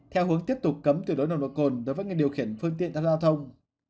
theo hướng tiếp tục cấm từ đối nồng độ cồn đối với người điều khiển phương tiện tham gia giao thông